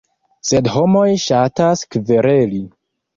Sed homoj ŝatas kvereli.